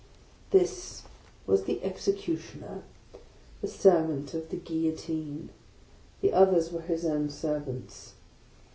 This was the Executioner, — the servant of the Guillotine; the others were his own servants.